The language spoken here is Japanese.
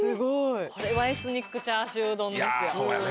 これはエスニックチャーシュー丼ですよ